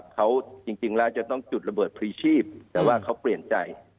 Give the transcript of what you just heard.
เขาจริงแล้วจะต้องจุดระเบิดพรีชีพแต่ว่าเขาเปลี่ยนใจ